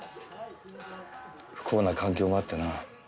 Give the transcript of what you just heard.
不幸な環境もあってな。